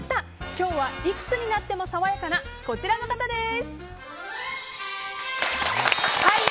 今日はいくつになっても爽やかなこちらの方です。